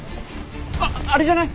あっあれじゃない？